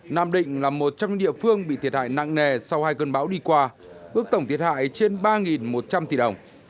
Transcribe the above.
nam định là một trong những địa phương bị thiệt hại nặng nề sau hai cơn bão đi qua ước tổng thiệt hại trên ba một trăm linh tỷ đồng